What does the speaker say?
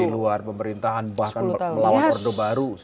di luar pemerintahan bahkan melawan orde baru